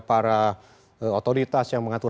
para otoritas yang mengatur